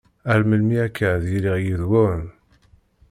Ar melmi akka ara yiliɣ yid-wen!